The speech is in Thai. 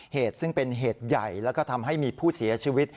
เหตุซึ่งเป็นเหตุใหญ่แล้วก็ทำให้มีผู้เสียชีวิต